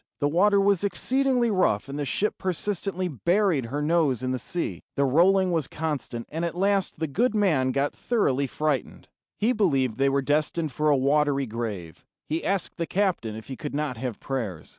The water was exceedingly rough, and the ship persistently buried her nose in the sea. The rolling was constant, and at last the good man got thoroughly frightened. He believed they were destined for a watery grave. He asked the captain if he could not have prayers.